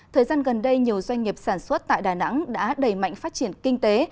thời gian gần đây nhiều doanh nghiệp sản xuất tại đà nẵng đã đẩy mạnh phát triển kinh tế